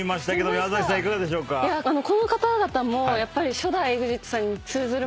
この方々もやっぱり。